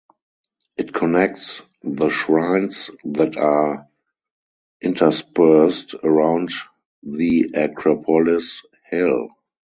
It connects the shrines that are interspersed around the Acropolis hill.